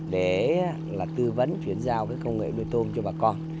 để là tư vấn chuyển giao cái công nghệ nuôi tôm cho bà con